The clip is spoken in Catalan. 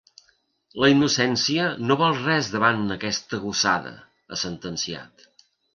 La innocència no val res davant aquesta gossada, ha sentenciat.